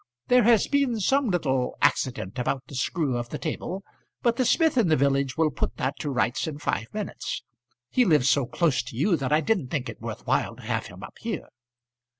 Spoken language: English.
There has been some little accident about the screw of the table, but the smith in the village will put that to rights in five minutes. He lives so close to you that I didn't think it worth while to have him up here."